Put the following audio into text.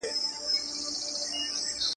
ستر انسان هغه دی چي خپل افکار پلې کوي.